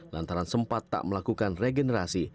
lantaran sempat tak melakukan regenerasi